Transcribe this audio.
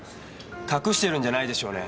隠してるんじゃないでしょうね？